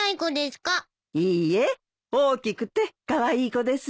いいえ大きくてカワイイ子ですよ。